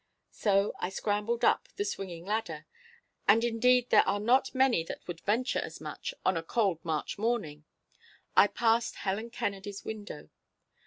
So as I scrambled up the swinging ladder (and, indeed, there are not many that would venture as much on a cold March morning) I passed Helen Kennedy's window.